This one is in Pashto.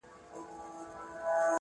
د ميني اوبه وبهېږي~